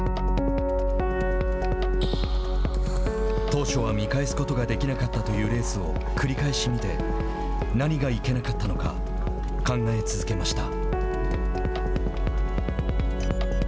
当初は、見返すことができなかったというレースを繰り返し見て何がいけなかったのか考え続けました。